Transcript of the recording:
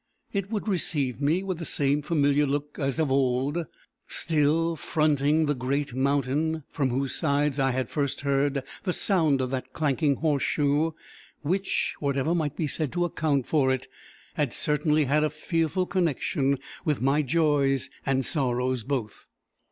_ It would receive me with the same familiar look as of old, still fronting the great mountain from whose sides I had first heard the sound of that clanking horseshoe, which, whatever might be said to account for it, had certainly had a fearful connection with my joys and sorrows both.